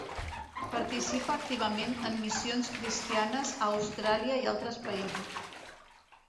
Participa activament en missions cristianes a Austràlia i altres països.